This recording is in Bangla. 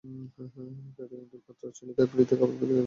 পেটে ইঁদুর কাঁতরাচ্ছিল, তাই ফ্রিতে খাবার খেতে গেলাম।